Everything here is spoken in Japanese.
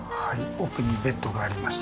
奥にベッドがあります。